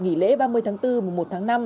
nghỉ lễ ba mươi tháng bốn mùa một tháng năm